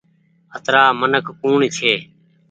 اترآ منک ڪوڻ ڇي۔